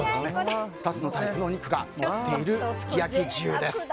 ２つのタイプのお肉がのっている、すき焼き重です。